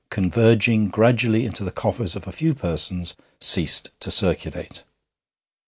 converging gradually into the coffers of a few persons, ceased to circulate.